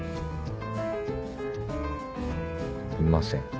いません。